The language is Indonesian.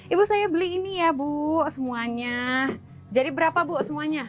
ibu saya beli ini ya bu semuanya jadi berapa bu semuanya